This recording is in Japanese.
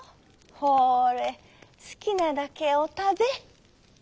ほれすきなだけおたべ」。